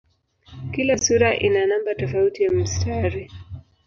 Kila sura ina namba tofauti ya mistari.